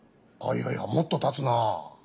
いやいやもっと経つな。